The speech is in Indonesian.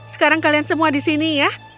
sekarang kalian semua di sini ya